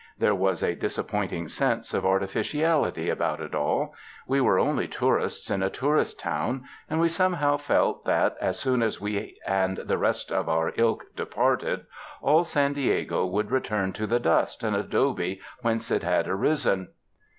There was a disappointing sense of arti ficiality about it all; we were only tourists in a tourist town, and we somehow felt that, as soon as we and the rest of our ilk departed, all San Diego would return to the dust and adobe whence it had arisen.